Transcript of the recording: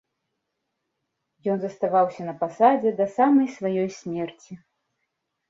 Ён заставаўся на пасадзе да самай сваёй смерці.